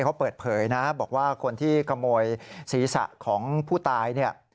เค้าเปิดเผยนะบอกว่าคนที่กระโมยศีรษะของผู้ตาย